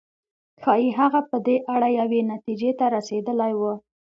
ښايي هغه به په دې اړه یوې نتيجې ته رسېدلی و.